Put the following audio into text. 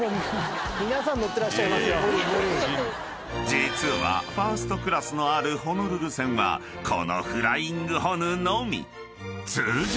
［実はファーストクラスのあるホノルル線はこのフライングホヌのみ］